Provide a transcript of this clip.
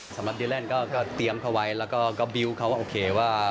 สำหรับดีแลนด์ก็เตรียมเขาไว้แล้วก็บิวต์เขาว่าโอเคว่า